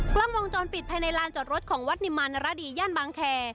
กล้องวงจรปิดภายในลานจอดรถของวัดนิมานรดีย่านบางแค